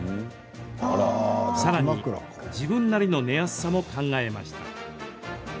さらに、自分なりの寝やすさも考えました。